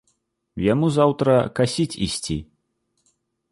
Яму заўтра касіць ісці.